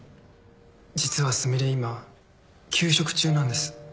実はすみれ今休職中なんです